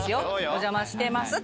お邪魔してますって。